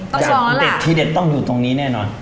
ต้องนองแล้วล่ะที่เด็ดต้องอยู่ตรงนี้แน่นอน